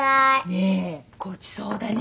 ねえごちそうだね。